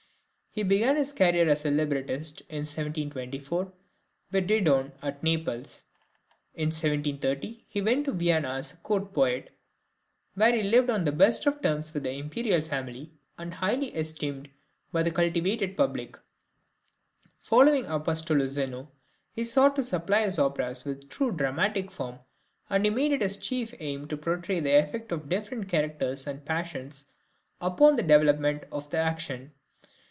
He began his career as a librettist in 1724 with "Didone" at Naples; in 1730 he went to Vienna as court poet, where he lived on the best of terms with the Imperial family, and highly esteemed by the cultivated public. Following Apostolo Zeno, he sought to supply his operas with a true dramatic form, and he made it his chief aim to portray the effect of different characters and passions upon the development of the action.